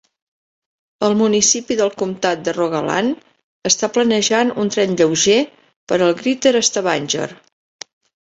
El municipi del comtat de Rogaland està planejant un tren lleuger per al Greater Stavanger.